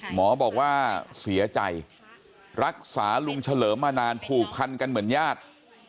หมอบอกว่าเสียใจรักษาลุงเฉลิมมานานผูกพันกันเหมือนญาติ